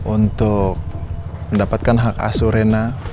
untuk mendapatkan hak asur rena